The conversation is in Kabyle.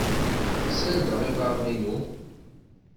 Serdeɣ iḍaren-inu.